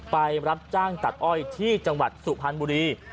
ไปรับจ้างตัดอ้อยที่จังหวัดสุพรรณบุรี